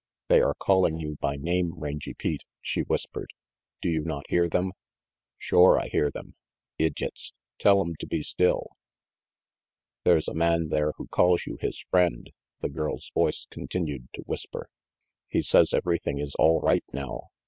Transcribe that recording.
"They are calling you by name, Rangy Pete," she whispered. "Do you not hear them?" "Shore I hear them. Idyots! Tell'em to be still." "There's a man there who calls you his friend," the girl's voice continued to whisper. "He says everything is all right now.